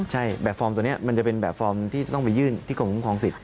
ใช่แบบฟอร์มตัวนี้มันจะเป็นแบบฟอร์มที่ต้องไปยื่นที่กรมคุ้มครองสิทธ